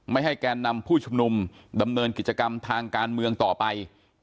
ให้แกนนำผู้ชุมนุมดำเนินกิจกรรมทางการเมืองต่อไป